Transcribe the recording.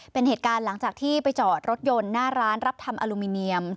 เป็นเหตุการณ์หลังจากที่ไปจอดรถยนต์หน้าร้านรับทำอลูมิเนียม